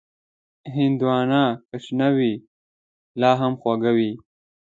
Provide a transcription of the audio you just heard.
هندوانه که شنه وي، لا هم خوږه وي.